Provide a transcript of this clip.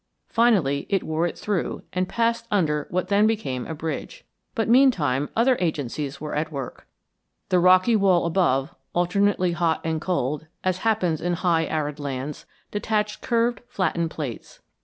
Finally it wore it through and passed under what then became a bridge. But meantime other agencies were at work. The rocky wall above, alternately hot and cold, as happens in high arid lands, detached curved, flattened plates.